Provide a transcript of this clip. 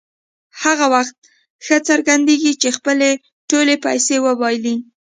هغه وخت ښه څرګندېږي چې خپلې ټولې پیسې وبایلي.